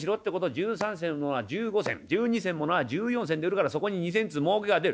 １３銭のは１５銭１２銭ものは１４銭で売るからそこに２銭ずつもうけが出る。